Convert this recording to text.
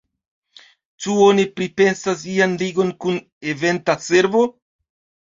Ĉu oni pripensas ian ligon kun Eventa servo?